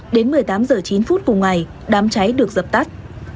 đến một mươi tám h chín cùng ngày đám cháy được dập tắt